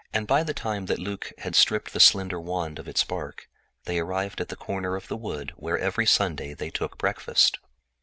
By the time that Luc had stripped the slender wand of its bark they reached the corner of the wood where every Sunday they took breakfast.